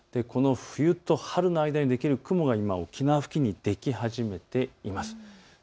冬と春の間にできる雲が沖縄付近にでき始めています。